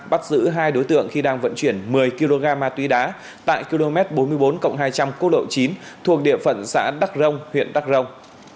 bắt giữ hai đối tượng khi đang vận chuyển một mươi kg ma túy đá tại km bốn mươi bốn hai trăm linh cô lộ chín thuộc địa phận xã đắc rông huyện đắc rồng